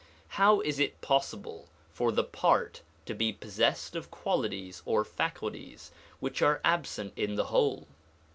How is it possible for the part to be possessed of qualities or faculties which are absent in the whole?